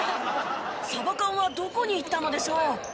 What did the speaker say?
サバ缶はどこにいったのでしょう？